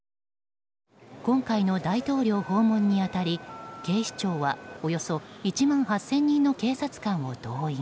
今回の大統領訪問に当たり警視庁はおよそ１万８０００人の警察官を動員。